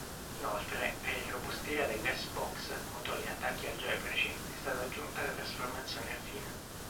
Inoltre, per irrobustire dell'S-box contro gli attacchi algebrici è stata aggiunta la trasformazione affine.